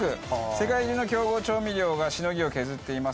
世界中の強豪調味料がしのぎを削っています。